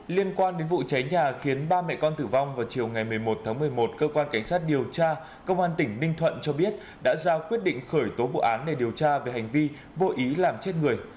liên quan đến vụ cháy nhà khiến ba mẹ con tử vong vào chiều ngày một mươi một tháng một mươi một cơ quan cảnh sát điều tra công an tỉnh ninh thuận cho biết đã ra quyết định khởi tố vụ án để điều tra về hành vi vô ý làm chết người